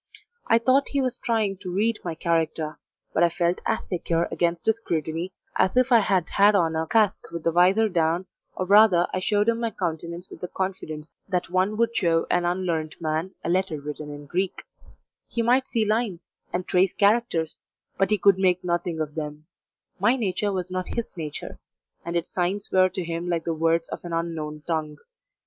I thought he was trying to read my character, but I felt as secure against his scrutiny as if I had had on a casque with the visor down or rather I showed him my countenance with the confidence that one would show an unlearned man a letter written in Greek; he might see lines, and trace characters, but he could make nothing of them; my nature was not his nature, and its signs were to him like the words of an unknown tongue.